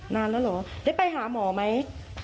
นานแล้วเหรอได้ไปหาหมอไหม